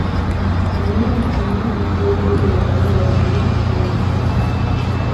Rien n'est connu du début de la vie de Manuel Comnène.